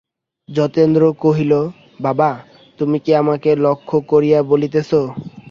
যোগেন্দ্র কহিল, বাবা, তুমি কি আমাকে লক্ষ্য করিয়া বলিতেছ?